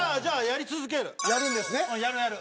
やるやる！